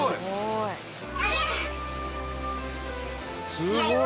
すごい。